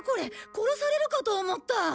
殺されるかと思った。